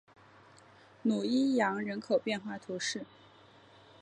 努伊扬人口变化图示